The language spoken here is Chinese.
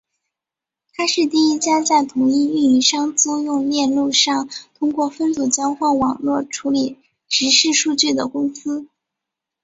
她是第一家在同一运营商租用链路上通过分组交换网络处理实时数据的公司。